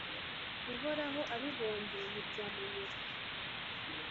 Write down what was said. Uhoraho abibonye, ntibyamunyura,